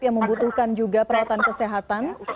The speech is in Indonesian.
yang membutuhkan juga perawatan kesehatan